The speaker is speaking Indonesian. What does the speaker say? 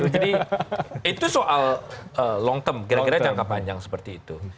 jadi itu soal long term kira kira jangka panjang seperti itu